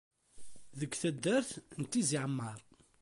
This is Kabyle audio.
Deg taddart n Tizi Ɛammer.